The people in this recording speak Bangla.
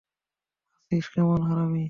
আছিস কেমন, হারামী?